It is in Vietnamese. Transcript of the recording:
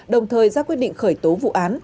đồng thời ra quyết định khởi tố vụ án